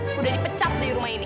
sudah dipecat dari rumah ini